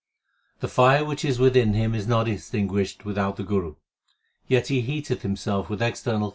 The fire which is within him is not extinguished without the Guru, yet he heateth himself with external fires 1 also.